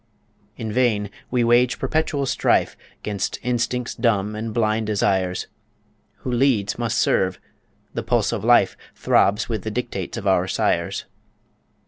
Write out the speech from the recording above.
In vain we wage perpetual strife, 'Gainst instincts dumb and blind desires Who leads must serve.. The pulse of life Throbs with the dictates of our sires.